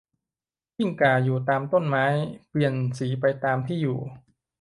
กิ้งก่า อยู่ตามต้นไม้ เปลี่ยนสีไปตามที่อยู่